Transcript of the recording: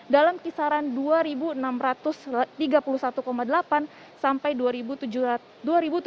dalam kisaran rp dua enam ratus tiga puluh satu delapan sampai rp dua tujuh ratus dua puluh